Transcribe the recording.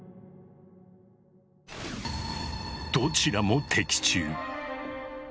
どちらも的中。